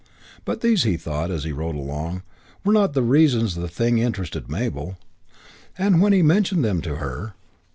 But these, he thought as he rode along, were not the reasons the thing interested Mabel. And when he mentioned them to her....